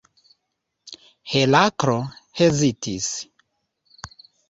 Heraklo hezitis.